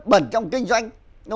bẩn trong kinh doanh